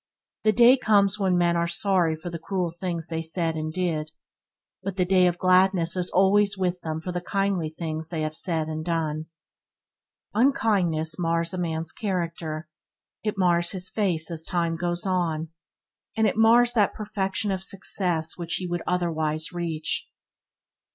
The day comes when men are sorry for the cruel things they said and did; but the day of gladness is always with them for the kindly things they have said and done. Unkindness mars a man's character, it mars his face as time goes on, and it mars that perfection of success which he would otherwise reach.